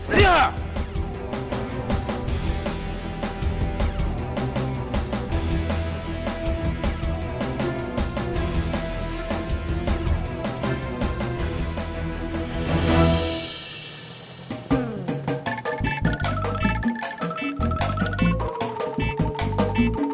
di titik empat